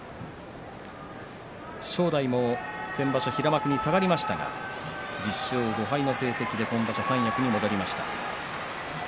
正代も先場所平幕に下がりましたが１０勝５敗の成績で今場所、三役に戻りました。